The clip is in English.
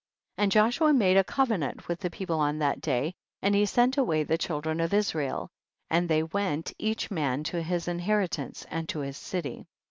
37. And Joshua made a covenant with the people on that day, and he sent away the children of Israel, and they went each man to his inheritance and to his city.